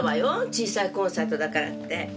小さいコンサートだからって。